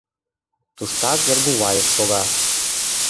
Туштак Эргуваев шога.